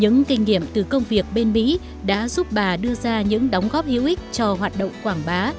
những kinh nghiệm từ công việc bên mỹ đã giúp bà đưa ra những đóng góp hữu ích cho hoạt động quảng bá